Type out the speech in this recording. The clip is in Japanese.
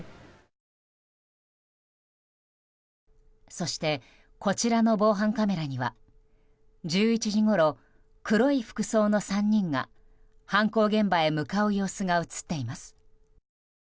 そしてこちらの防犯カメラには１１時ごろ黒い服装の３人が、犯行現場へ向かう様子が映っています。